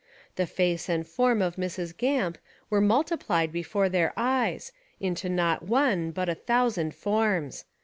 The face and form of Mrs. Gamp were multiplied before their eyes into not one but a thousand forms.